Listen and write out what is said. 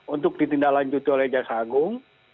untuk ditindaklanjuti oleh jaksa agung